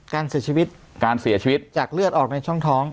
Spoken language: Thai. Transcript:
การเสียชีวิตการเสียชีวิตจากเลือดออกในช่องท้อง